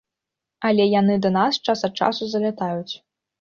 Але яны да нас час ад часу залятаюць.